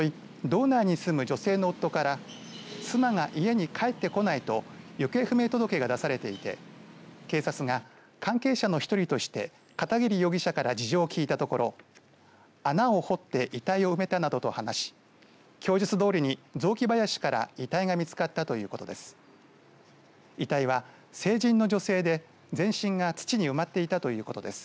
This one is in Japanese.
道内に住む女性の夫から妻が家に帰ってこないと行方不明届が出されていて警察が関係者の１人として片桐容疑者から事情を聴いたところ穴を掘って遺体を埋めたなどと話し供述どおりに雑木林から遺体が見つかったということです。